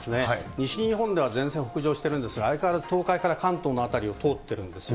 西日本では前線北上してるんですが、相変わらず東海から関東の辺りを通ってるんですよ。